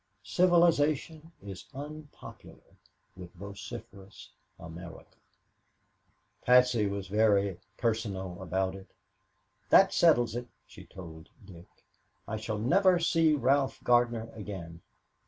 "Civilization is unpopular with vociferous America." Patsy was very personal about it. "That settles it," she told Dick. "I shall never see Ralph Gardner again.